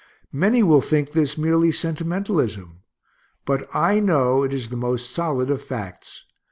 Many will think this merely sentimentalism, but I know it is the most solid of facts.